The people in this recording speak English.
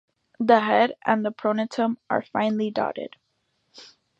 The head and the pronotum are finely dotted.